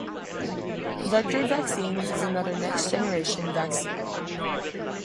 Vectored vaccines is another next generation vaccine.